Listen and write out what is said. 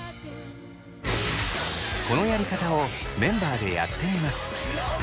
このやり方をメンバーでやってみます。